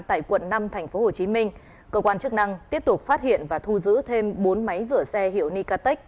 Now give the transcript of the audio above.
tại quận năm tp hcm cơ quan chức năng tiếp tục phát hiện và thu giữ thêm bốn máy rửa xe hiệu nicatech